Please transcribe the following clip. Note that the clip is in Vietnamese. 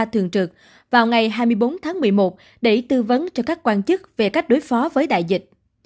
thường trực vào ngày hai mươi bốn tháng một mươi một để tư vấn cho các quan chức về cách đối phó với đại dịch